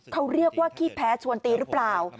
เขาเรียกว่าขี้แพ้ชวนตีหรือเปล่า